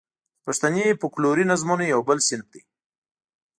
د پښتني فوکلوري نظمونو یو بل صنف دی.